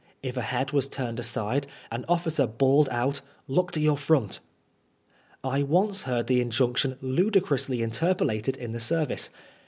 If a head was turned aside, an officer bawled out " Look to your front." I once heard the injunction ludicrously interpolated in the service.